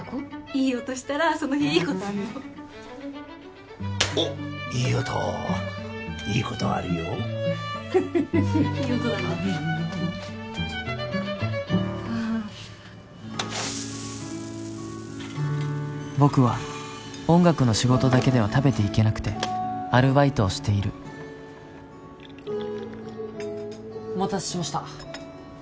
いい音したらその日いいことあるのおっいい音いいことあるよいい音だなはは僕は音楽の仕事だけでは食べていけなくてアルバイトをしているお待たせしましたご